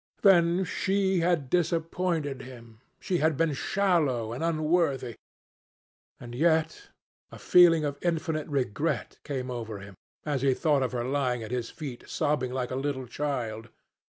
Then she had disappointed him. She had been shallow and unworthy. And, yet, a feeling of infinite regret came over him, as he thought of her lying at his feet sobbing like a little child.